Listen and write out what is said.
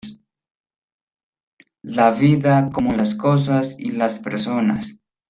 La vida como las cosas y las personas.